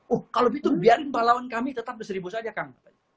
oh kalau gitu biarin pahlawan kami tetap di seribu saja kang